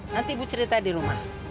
nanti ibu cerita di rumah